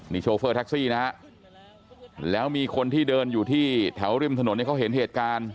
นี่โชเฟอร์แท็กซี่นะฮะแล้วมีคนที่เดินอยู่ที่แถวริมถนนเนี่ยเขาเห็นเหตุการณ์